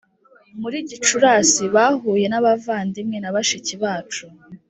Muri gicurasi bahuye n abavandimwe na bashiki bacu